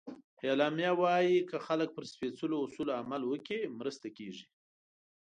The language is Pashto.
اعلامیه وایي که خلک پر سپیڅلو اصولو عمل وکړي، مرسته کېږي.